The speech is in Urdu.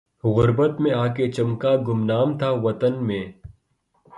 غربت میں آ کے چمکا گمنام تھا وطن میں